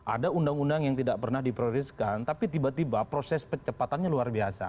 ada undang undang yang tidak pernah diprioritaskan tapi tiba tiba proses pencepatannya luar biasa